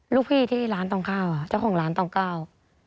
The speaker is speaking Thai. ลูกพี่ที่ร้านตองข้าวค่ะเจ้าของร้านตองเก้า